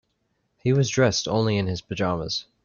He was dressed only in his pajamas.